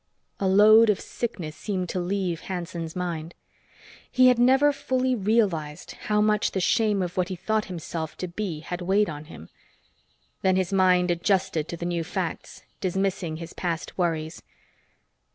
A load of sickness seemed to leave Hanson's mind. He had never fully realized how much the shame of what he thought himself to be had weighed on him. Then his mind adjusted to the new facts, dismissing his past worries.